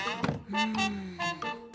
うん。